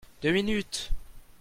Deux minutes